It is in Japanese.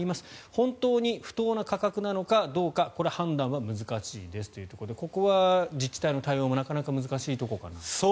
本当に不当な価格なのかどうかこれは判断は難しいですというところでこれは自治体の対応もなかなか難しいところかなと。